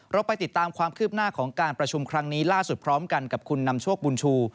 เราไปติดตามความคืบหน้าของการประชุมครั้งนี้ล่าสุดพร้อมกันกับคุณนำโชคบุญชู